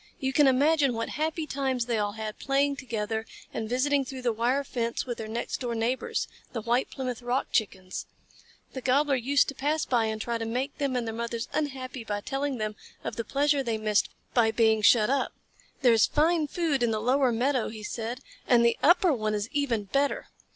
You can imagine what happy times they all had, playing together and visiting through the wire fence with their next door neighbors, the White Plymouth Rock Chickens. The Gobbler used to pass by and try to make them and their mothers unhappy by telling them of the pleasure they missed by being shut up. "There is fine food in the lower meadow," he said, "and the upper one is even better.